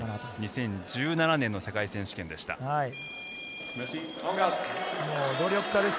２０１７年世界選手権です。